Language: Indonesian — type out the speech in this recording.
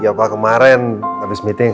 iya pak kemaren abis meeting